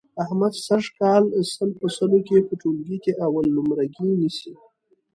احمد سږ کال سل په سلو کې په ټولګي کې اول نمرګي نیسي.